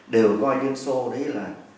đều coi liên xô đấy là